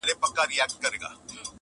تشي کیسې د تاریخونو کوي!.